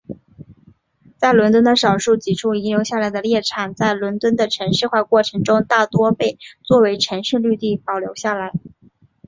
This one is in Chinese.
在伦敦的少数几处遗留下来的猎场在伦敦的城市化过程中大多被作为城市绿地保留下来。